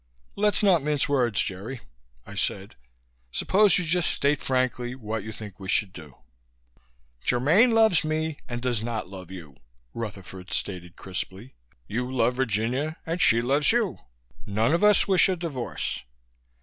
"Let's not mince words, Jerry," I said. "Suppose you just state frankly what you think we should do." "Germaine loves me and does not love you," Rutherford stated crisply. "You love Virginia and she loves you. None of us wish a divorce.